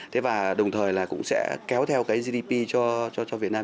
thế và đồng thời là cũng sẽ kéo theo cái gdp cho việt nam